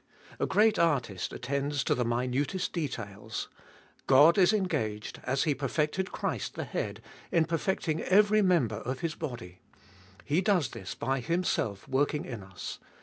A great artist attends to the minutest details. God is engaged, as He perfected Christ the Head, in perfecting every member of His body. He does this by Himself working in us.